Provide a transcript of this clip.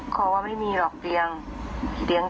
เขาว่าไม่มีหลอกเตียง